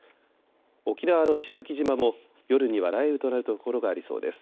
沖縄の石垣島も夜には雷雨となる所がありそうです。